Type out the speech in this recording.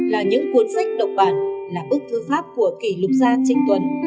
là những cuốn sách độc bản là bức thư pháp của kỷ lục gia trinh tuấn